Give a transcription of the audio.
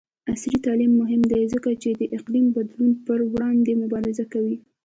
عصري تعلیم مهم دی ځکه چې د اقلیم بدلون پر وړاندې مبارزه کوي.